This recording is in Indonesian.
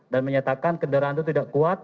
dan menyatakan kendaraan itu tidak kuat